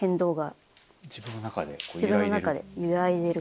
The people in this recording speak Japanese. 自分の中で揺らいでいる？